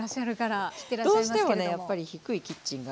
どうしてもねやっぱり低いキッチンが多い。